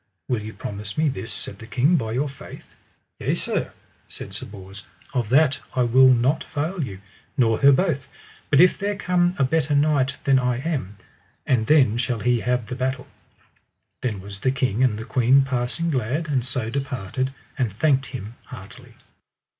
Will ye promise me this, said the king, by your faith? Yea sir, said Sir Bors, of that I will not fail you, nor her both, but if there come a better knight than I am, and then shall he have the battle. Then was the king and the queen passing glad, and so departed, and thanked him heartily.